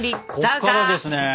こっからですね！